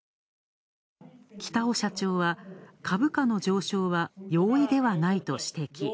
北尾社長は、株価の上昇は容易ではないと指摘。